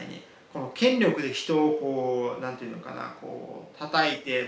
この権力で人をこう何ていうのかなこうたたいて。